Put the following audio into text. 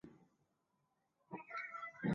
少部份主播会转型成艺人或幕后制作人。